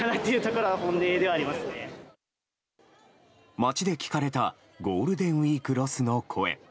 街で聞かれたゴールデンウィークロスの声。